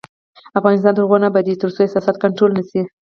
افغانستان تر هغو نه ابادیږي، ترڅو احساسات کنټرول نشي.